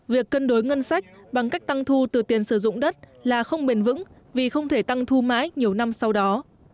việc cân đối ngân sách bằng cách tăng thu từ tiền sử dụng đất là không bền vững vì không thể tăng thu mãi nhiều năm sau đó